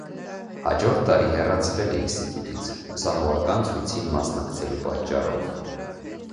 Հաջորդ տարի հեռացվել է ինստիտուտից ուսանողական ցույցին մասնակցելու պատճառով։